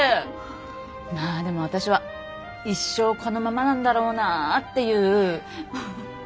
まあでも私は一生このままなんだろうなっていう。